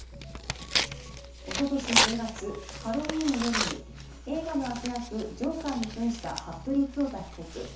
おととし１０月、ハロウィーンの夜に映画の悪役・ジョーカーに扮した服部恭太被告。